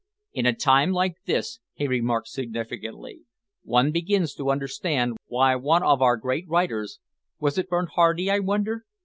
"In a time like this," he remarked significantly, "one begins to understand why one of our great writers was it Bernhardi, I wonder?